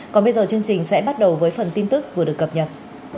còn bây giờ chương trình sẽ bắt đầu với phần tin tức vừa được cập nhật